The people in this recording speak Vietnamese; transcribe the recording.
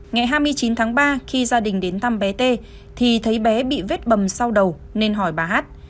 ngày hai mươi chín tháng ba khi gia đình đến thăm bé t thì thấy bé bị vết bầm sau đầu nên hỏi bà hát